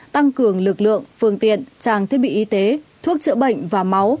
tăng cường lực lượng phương tiện trang thiết bị y tế thuốc chữa bệnh và máu